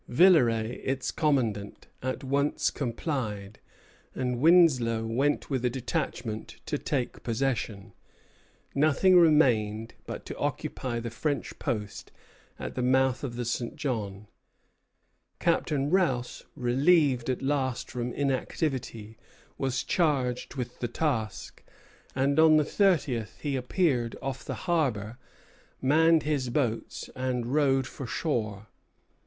Villeray, its commandant, at once complied; and Winslow went with a detachment to take possession. Nothing remained but to occupy the French post at the mouth of the St. John. Captain Rous, relieved at last from inactivity, was charged with the task; and on the thirtieth he appeared off the harbor, manned his boats, and rowed for shore.